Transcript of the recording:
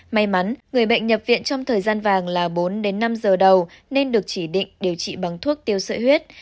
may mắn người bệnh nhập viện trong thời gian vàng là bốn đến năm giờ đầu nên được chỉ định điều trị bằng thuốc tiêu sợi huyết